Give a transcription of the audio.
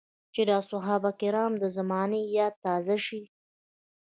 چې د اصحابو کرامو د زمانې ياد تازه شي.